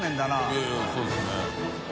い笋いそうですね。